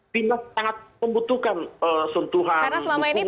tidak sangat membutuhkan sentuhan sepupungan dari pemerintah